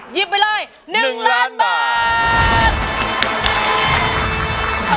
หยิบไปเลย๑ล้านบาท